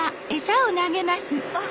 あっ！